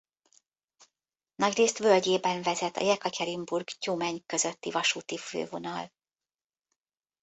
Nagyrészt völgyében vezet a Jekatyerinburg–Tyumeny közötti vasúti fővonal.